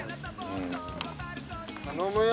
頼むよ！